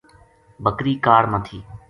بکری کاڑ ما تھی